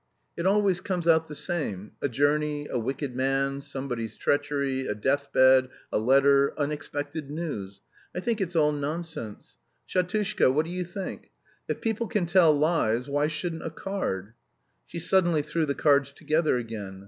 "It always comes out the same, a journey, a wicked man, somebody's treachery, a death bed, a letter, unexpected news. I think it's all nonsense. Shatushka, what do you think? If people can tell lies why shouldn't a card?" She suddenly threw the cards together again.